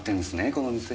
この店。